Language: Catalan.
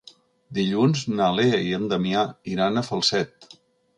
Dilluns na Lea i en Damià iran a Falset.